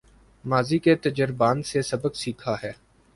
ماضی کے تجربات سے سبق سیکھا ہے